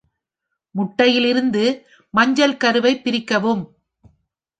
முட்டையிலிருந்து மஞ்சள் கருவைப் பிரிக்கவும்.